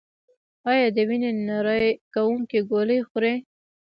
ایا د وینې نری کوونکې ګولۍ خورئ؟